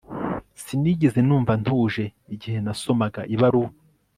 Sinigeze numva ntuje igihe nasomaga ibaruwa